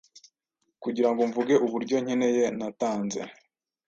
kugirango mvuge uburyo nkeneye natanze